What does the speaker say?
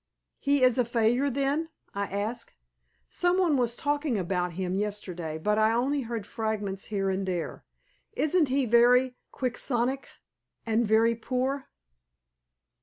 "He is a failure, then?" I asked. "Some one was talking about him yesterday, but I only heard fragments here and there. Isn't he very quixotic, and very poor?"